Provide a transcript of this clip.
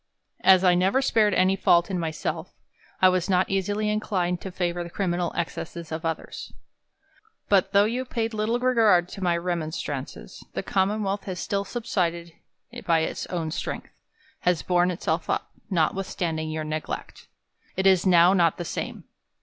As I never spared any fault in myself, I was not easily inclined to favour the criminal ex cesses of others. But though you paid little regard to my remon strances, the Commonwealth has still subsisted by its own strength ; has borne itself up, notwithstanding 5'our neglect. It is not now the same.